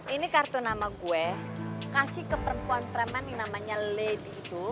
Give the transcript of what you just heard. ini kartu nama gue kasih ke perempuan preman yang namanya lady itu